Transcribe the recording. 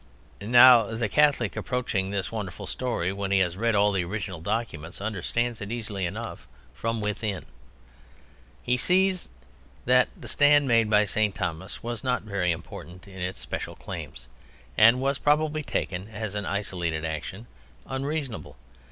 Now the Catholic approaching this wonderful story, when he has read all the original documents, understands it easily enough from within. He sees that the stand made by St. Thomas was not very important in its special claims, and was probably (taken as an isolated action) unreasonable.